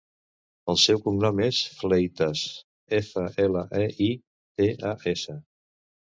El seu cognom és Fleitas: efa, ela, e, i, te, a, essa.